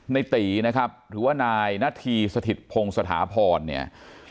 ในตีนะครับหรือว่านายนาธีสถิตพงศ์สถาพรเนี่ย